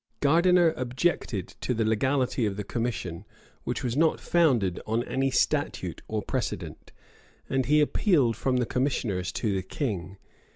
Gardiner objected to the legality of the commission, which was not founded on any statute or precedent; and he appealed from the commissioners to the king.